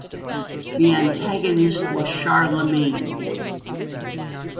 The antagonist was Charlemagne.